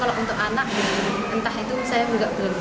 kalau yang saya benar benar tahu satu tentara yang meninggal